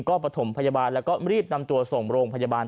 ก็ประถมพยาบาลแล้วก็รีบนำตัวส่งโรงพยาบาล